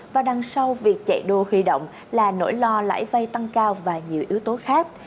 và đằng sau việc chạy đua huy động là nỗi lo lãi vay tăng cao và nhiều yếu tố khác